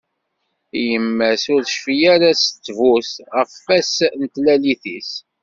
Yemma-s ur tecfi ara s ttbut ɣef wass n tlalit-is.